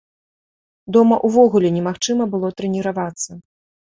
Дома ўвогуле немагчыма было трэніравацца.